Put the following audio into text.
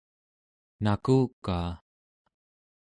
nakukaa